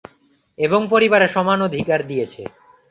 এবং পরিবারে সমান অধিকার দিয়েছে।